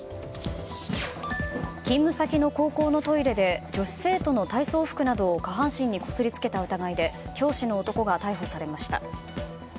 勤務先の高校のトイレで女子生徒の体操服などを下半身にこすりつけた疑いで教師の男が逮捕されました。